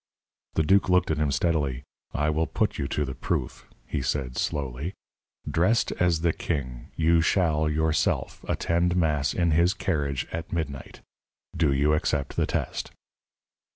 The duke looked at him steadily. "I will put you to the proof," he said, slowly. "Dressed as the king, you shall, yourself, attend mass in his carriage at midnight. Do you accept the test?"